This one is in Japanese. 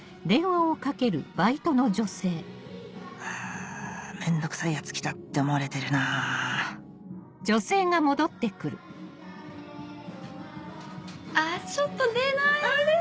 あぁめんどくさいヤツ来たって思われてるなぁあっちょっと出ないです。